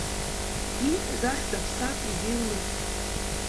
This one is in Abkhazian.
Ииҳәаз ахьӡ Аԥсар изеилмыргеит.